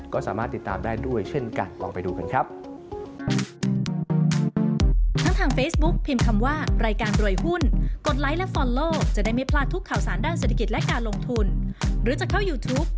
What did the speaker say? ก็สามารถติดตามได้ด้วยเช่นกันลองไปดูกันครับ